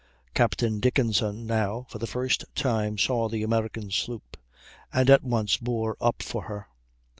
Captain Dickenson now, for the first time, saw the American sloop, and at once bore up for her.